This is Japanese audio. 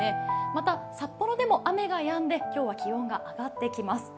また、札幌でも雨がやんで今日は気温が上がってきます。